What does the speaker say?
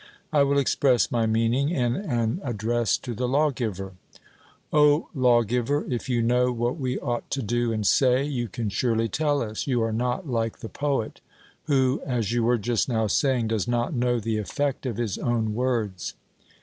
I will express my meaning in an address to the lawgiver: O lawgiver, if you know what we ought to do and say, you can surely tell us; you are not like the poet, who, as you were just now saying, does not know the effect of his own words.